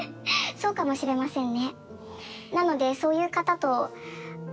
そうかもしれませんね。